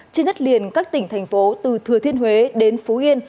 trên đất liền các tỉnh thành phố từ thừa thiên huế đến phú yên